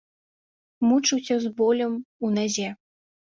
Мучуся з болем у назе.